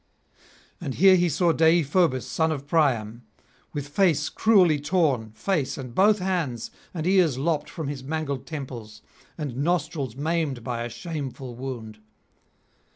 And here he saw Deïphobus son of Priam, with face cruelly torn, face and both hands, and ears lopped from his mangled temples, and nostrils maimed by a shameful wound.